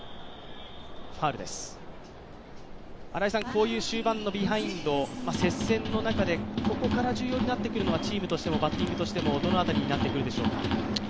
こういう終盤のビハインド接戦の中でここから重要になってくるのはチームとしてもバッティングとしても、どの辺りになってくるでしょうか？